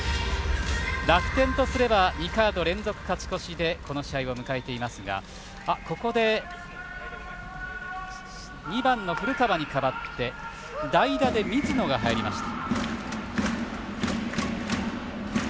楽天とすれば２カード連続勝ち越しでこの試合を迎えていますがここで２番の古川に代わって代打で水野が入りました。